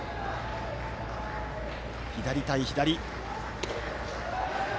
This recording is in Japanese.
左対左。